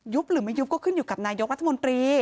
หรือไม่ยุบก็ขึ้นอยู่กับนายกรัฐมนตรี